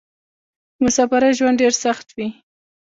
د مسافرۍ ژوند ډېر سخت وې.